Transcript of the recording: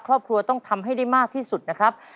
ครอบครัวต้องทำให้ได้มากที่สุดนะครับ